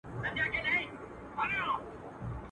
دا په جرګو کي د خبرو قدر څه پیژني.